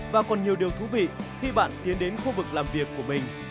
và còn nhiều điều thú vị khi bạn tiến đến khu vực làm việc của mình